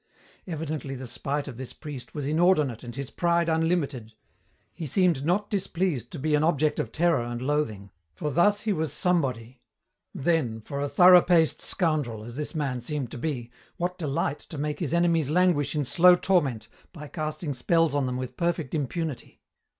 Evidently the spite of this priest was inordinate and his pride unlimited. He seemed not displeased to be an object of terror and loathing, for thus he was somebody. Then, for a thorough paced scoundrel, as this man seemed to be, what delight to make his enemies languish in slow torment by casting spells on them with perfect impunity.